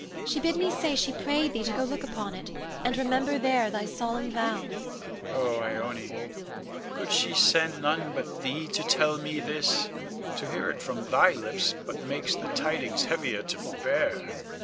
She bid me say she prayed thee to go look upon it, and remember there thy solemn vow. Con. Oh, Ione, could she send none but thee to tell me this? To hear it from thy lips but makes the tidings heavier to bear.